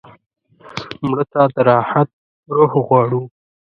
مړه ته د راحت روح غواړو